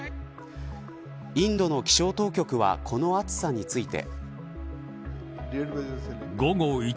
インドの気象当局はこの暑さについて。